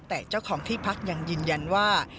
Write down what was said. แต่เจ้าของที่พักยังยืนยันว่า